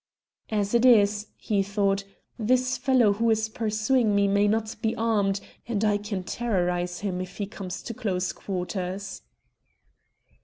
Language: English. "As it is," he thought, "this fellow who is pursuing me may not be armed, and I can terrorise him if he comes to close quarters."